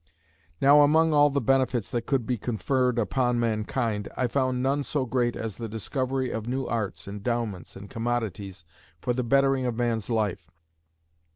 "Now among all the benefits that could be conferred upon mankind, I found none so great as the discovery of new arts, endowments, and commodities for the bettering of man's life....